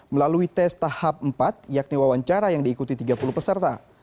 melalui tes tahap empat yakni wawancara yang diikuti tiga puluh peserta